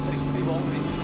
sri sri buang sri